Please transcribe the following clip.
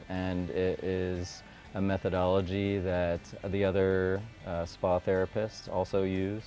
dan itu adalah metodologi yang juga digunakan oleh para terapeuta spa lain